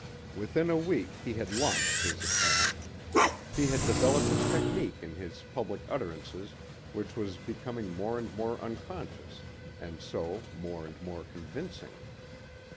Within a week he had launched his attack. He had developed a technique in his public utterances which was becoming more and more unconscious and so more and more convincing.